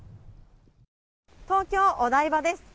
東京・お台場です。